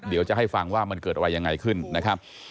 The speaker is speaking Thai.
เดี๋ยวจะให้ฟังว่ามันเกิดอะไรยังไงขึ้นนะครับ